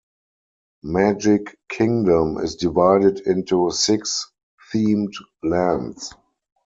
Magic Kingdom is divided into six themed lands.